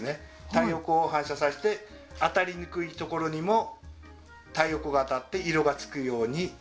太陽光を反射させて当たりにくいところにも太陽光が当たって色がつきやすいようにしてます。